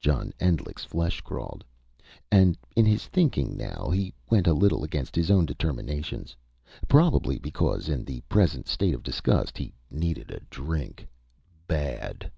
John Endlich's flesh crawled. And in his thinking, now, he went a little against his own determinations. Probably because, in the present state of his disgust, he needed a drink bad.